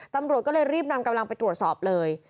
ตำรวจก็เลยรีบนำกำลังไปตรวจสอบเลย